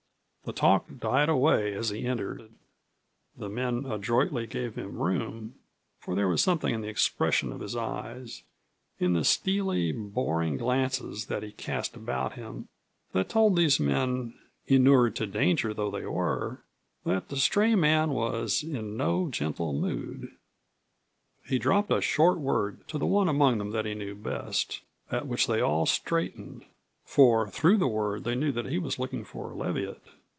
The talk died away as he entered, the men adroitly gave him room, for there was something in the expression of his eyes, in the steely, boring glances that he cast about him, that told these men, inured to danger though they were, that the stray man was in no gentle mood. He dropped a short word to the one among them that he knew best, at which they all straightened, for through the word they knew that he was looking for Leviatt.